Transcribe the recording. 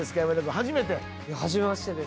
初めましてです。